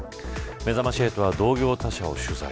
めざまし８は同業他社を取材。